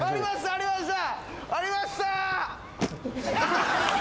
ありました！